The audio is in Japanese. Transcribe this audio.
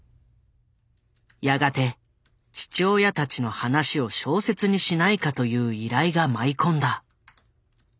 やがて父親たちの話を小説にしないかという依頼が舞い込んだ。